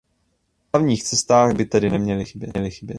Na hlavních cestách by tedy neměly chybět.